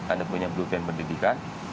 anda punya blue band pendidikan